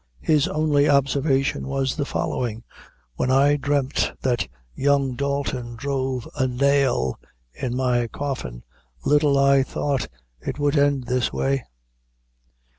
His only observation was the following "When I dreamt that young Dalton drove a nail in my coffin, little I thought it would end this way."